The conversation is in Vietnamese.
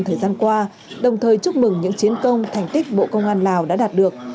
thời gian qua đồng thời chúc mừng những chiến công thành tích bộ công an lào đã đạt được